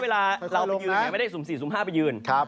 เวลาเราไปยืนไม่ได้สุ่มสี่สุ่มห้าไปยืน